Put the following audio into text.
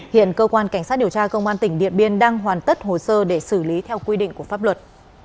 hiện cơ quan cảnh sát điều tra công an tỉnh điện biên đang hoàn tất hồ sơ để xử lý theo quy định của pháp luật